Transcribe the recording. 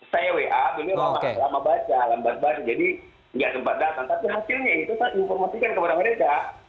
saya wa dulu lama baca lambat baru jadi nggak sempat datang tapi hasilnya itu saya informasikan kepada mereka